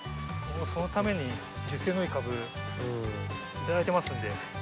もうそのために樹勢のいい株頂いてますので。